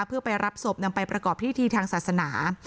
เพื่อไปรับศพนำไปประกอบพิธีทางศาสนา